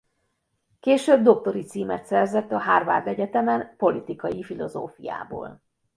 Később doktori címet szerzett a Harvard Egyetemen politikai filozófiából.